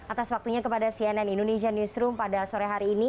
atas waktunya kepada cnn indonesia newsroom pada sore hari ini